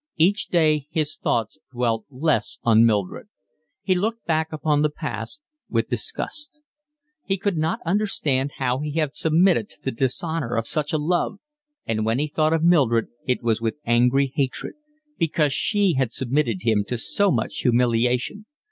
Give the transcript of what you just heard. Each day his thoughts dwelt less on Mildred. He looked back upon the past with disgust. He could not understand how he had submitted to the dishonour of such a love; and when he thought of Mildred it was with angry hatred, because she had submitted him to so much humiliation.